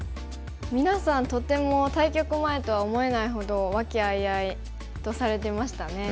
みなさんとても対局前とは思えないほど和気あいあいとされてましたね。